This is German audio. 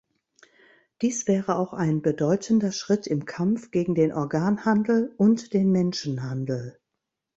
Dies wäre auch ein bedeutender Schritt im Kampf gegen den Organhandel und den Menschenhandel.